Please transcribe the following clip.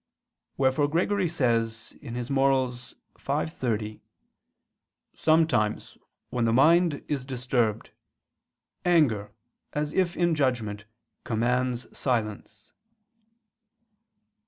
Wherefore Gregory says (Moral. v, 30): "Sometimes when the mind is disturbed, anger, as if in judgment, commands silence."